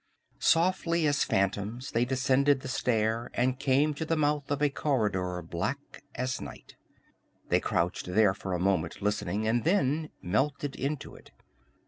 Softly as phantoms they descended the stair and came to the mouth of a corridor black as night. They crouched there for a moment, listening, and then melted into it.